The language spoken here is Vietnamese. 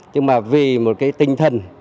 chứ mà vì một cái tinh thần